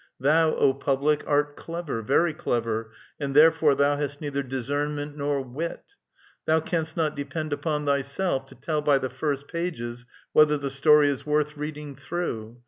Thou, O public, art clever, very clever, and therefore thou hast neither discernment nor wit. Thou canst not depend upon thyself to tell by the first pages whether the story is worth reading through.